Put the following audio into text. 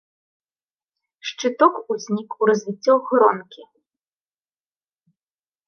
Шчыток узнік у развіццё гронкі.